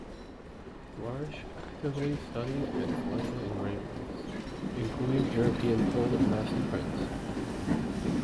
Marsh actively studied and collected engravings, including European Old Master prints.